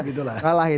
gila gila begitu lah